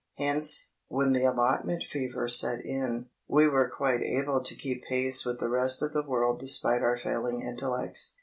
Hence, when the allotment fever set in, we were quite able to keep pace with the rest of the world despite our failing intellects.